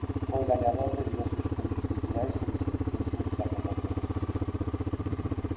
Foi gañador de diversos premios culturais e de selección pública arredor do mundo.